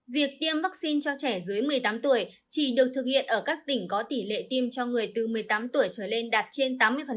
việc tiêm vaccine cho trẻ dưới một mươi tám tuổi chỉ được thực hiện ở các tỉnh có tỷ lệ tiêm cho người từ một mươi tám tuổi trở lên đạt trên tám mươi